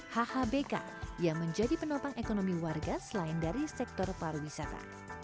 hhbk yang menjadi penopang ekonomi warga selain dari sektor pariwisata